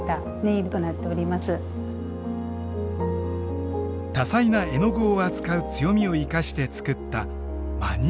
多彩な絵の具を扱う強みを生かして作ったマニキュアです。